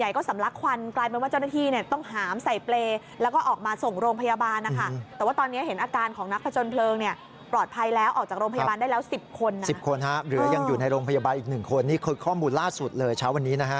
อยู่ในโรงพยาบาลอีกหนึ่งคนนี่ข้อมูลล่าสุดเลยเช้าวันนี้นะฮะ